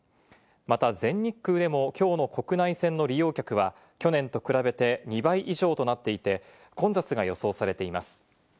また全日空でも今日の国内線の利用客は去年と比べて２倍以上となっていて、混雑が予想されています。